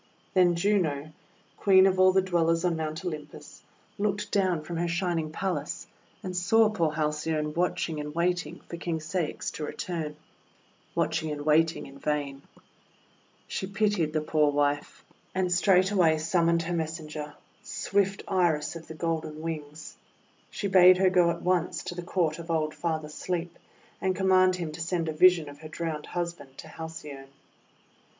Then Juno, Queen of all the Dwellers on Mount Olympus, looked down from her Shining Palace, and saw poor Halcyone watching and waiting for King Ceyx to return, — watching and waiting in vain. She pitied the poor wife, 266 THE WONDER GARDEN and straightway summoned her messenger, swift Iris of the Golden Wings. She bade her go at once to the Court of old Father Sleep, and com mand him to send a vision of her drowned hus band to Halcyone.